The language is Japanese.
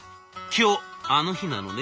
今日あの日なのね」。